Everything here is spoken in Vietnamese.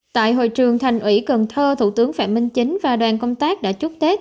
tại hội trường thành ủy cần thơ thủ tướng phạm minh chính và đoàn công tác đã chúc tết